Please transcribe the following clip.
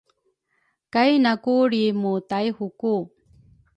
kainaku lrimuTaihuku.